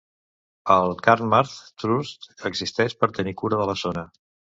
El Carnmarth Trust existeix per tenir cura de la zona.